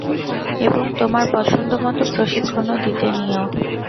এবং তোমার পছন্দ মতো প্রশিক্ষণও দিয়ে নিও।